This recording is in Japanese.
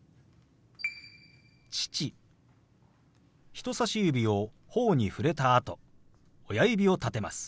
人さし指をほおに触れたあと親指を立てます。